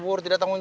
oh di bandung